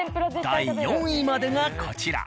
第４位までがこちら。